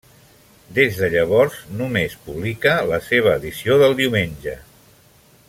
Des de llavors només publica la seva edició del diumenge.